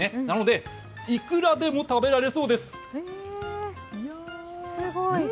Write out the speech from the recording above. なので、いくらでも食べられそうです。